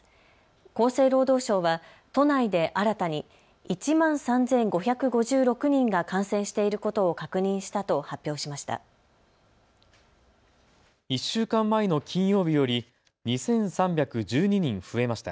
厚生労働省は都内で新たに１万３５５６人が感染していることを確認したと発表しました。